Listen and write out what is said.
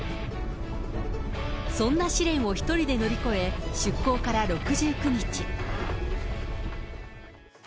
そんな試練を１人で乗り越え、出航から６９日。